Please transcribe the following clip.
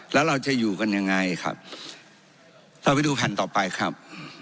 แล้วเราจะอยู่กันยังไงครับเราไปดูแผ่นต่อไปครับ